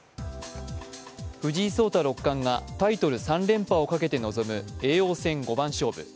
藤井聡太六冠がタイトル３連覇をかけて臨む叡王戦五番勝負。